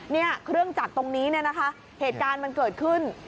เนี่ยเครื่องจักรตรงนี้เนี่ยนะคะเหตุการณ์มันเกิดขึ้น